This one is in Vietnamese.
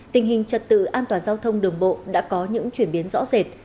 tình hình trật tự an toàn giao thông đường bộ đã có những chuyển biến rõ rệt